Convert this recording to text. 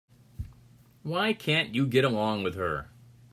Why can't you get along with her?